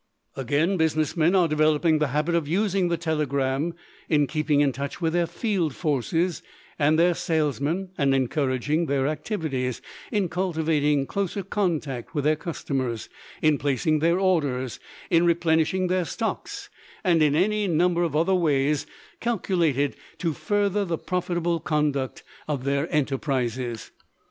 Again, business men are developing the habit of using the telegram in keeping in touch with their field forces and their salesmen and encouraging their activities, in cultivating closer contact with their customers, in placing their orders, in replenishing their stocks, and in any number of other ways calculated to further the profitable conduct of their enterprises.